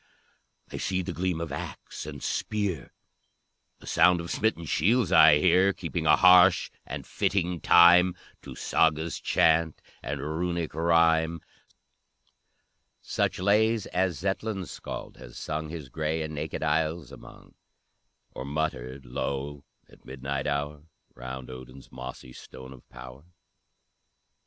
I see the gleam of axe and spear, A sound of smitten shields I hear, Keeping a harsh and fitting time To Saga's chant, and Runic rhyme; Such lays as Zetland's Scald has sung, His gray and naked isles among; Or muttered low at midnight hour Round Odin's mossy stone of power.